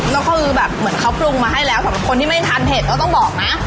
แล้วก็คือแบบเหมือนเขาปรุงมาให้แล้วคนที่ไม่ยังทันเผ็ดแล้วต้องบอกนะ